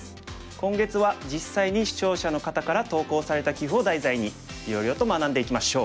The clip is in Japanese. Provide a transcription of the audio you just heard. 今月は実際に視聴者の方から投稿された棋譜を題材にいろいろと学んでいきましょう。